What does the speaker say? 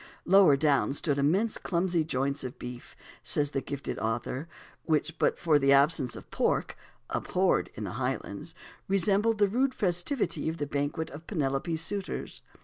"Lower down stood immense clumsy joints of beef," says the gifted author, "which, but for the absence of pork, abhorred in the Highlands, resembled the rude festivity of the banquet of Penelope's suitors.